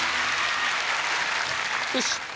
よし！